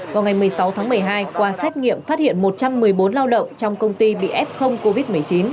vào ngày một mươi sáu tháng một mươi hai qua xét nghiệm phát hiện một trăm một mươi bốn lao động trong công ty bị f covid một mươi chín